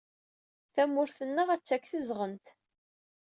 Tamurt-nneɣ atta deg tezɣent.